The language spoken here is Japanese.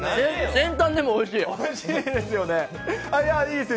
先端でもおいしい。